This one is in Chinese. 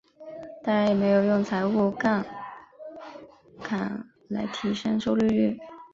当然也没有用财务杠杆来提升收益率。